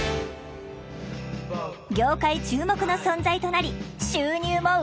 業界注目の存在となり収入もうなぎ登り！